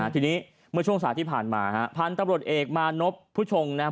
ทีนี้เมื่อช่วงสายที่ผ่านมาฮะพันธุ์ตำรวจเอกมานพผู้ชงนะครับ